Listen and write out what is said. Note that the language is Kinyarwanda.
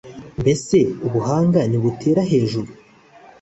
mbese ubuhanga ntibutera hejuru